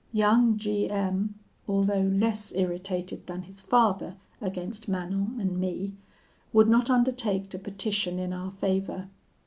Young G M , although less irritated than his father against Manon and me, would not undertake to petition in our favour.